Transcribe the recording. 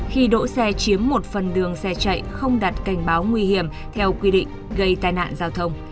khi đỗ xe chiếm một phần đường xe chạy không đặt cảnh báo nguy hiểm theo quy định gây tai nạn giao thông